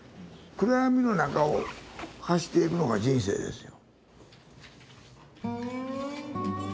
暗闇の中を走っていくのが人生ですよ。